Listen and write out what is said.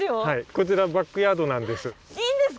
こちらバックヤードなんです。